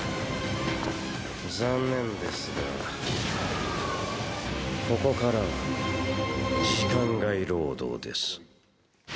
残念ですがここからは時間外労働です。